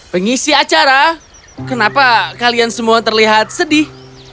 pengisi acara kenapa kalian semua terlihat sedih